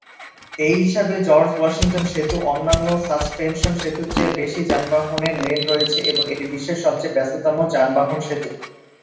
এই হিসাবে, George Washington সেতু অন্যান্য সাসপেনশন সেতুর চেয়ে বেশি যানবাহনের লেন রয়েছে এবং এটি বিশ্বের সবচেয়ে ব্যস্ততম যানবাহন সেতু।